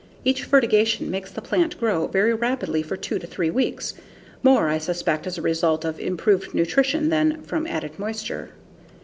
Each fertigation makes the plant grow very rapidly for two to three weeks, more I suspect as a result of improved nutrition than from added moisture.